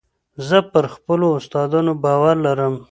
زه پر خپلو استادانو باور لرم.